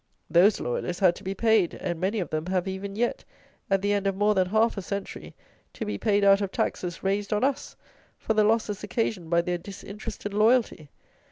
Those loyalists had to be paid, and many of them have even yet, at the end of more than half a century, to be paid out of taxes raised on us, for the losses occasioned by their disinterested loyalty!